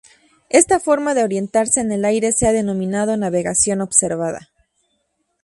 Esta forma de orientarse en el aire se ha denominado navegación observada.